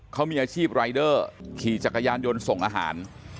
เขามีอาชีพรายเดอร์ขี่จักรยานยนต์ส่งอาหาร